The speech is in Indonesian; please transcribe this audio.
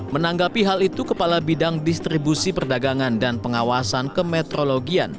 menanggapi hal itu kepala bidang distribusi perdagangan dan pengawasan kemetrologian